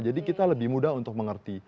jadi kita lebih mudah untuk mengerti